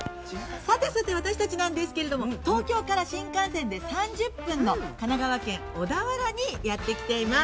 ◆さてさて私たちなんですけれども東京から新幹線で３０分の神奈川県小田原にやってきています。